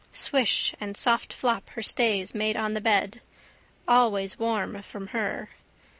Swish and soft flop her stays made on the bed. Always warm from her.